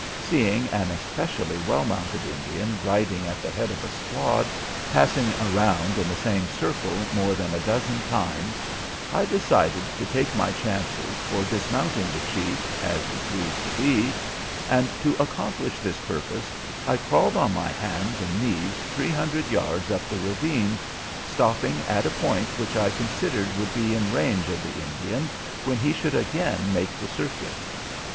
Seeing an especially well mounted Indian riding at the head of a squad, passing around in the same circle more than a dozen times, I decided to take my chances for dismounting the chief (as he proved to be), and to accomplish this purpose I crawled on my hands and knees three hundred yards up the ravine, stopping at a point which I considered would be in range of the Indian when he should again make the circuit.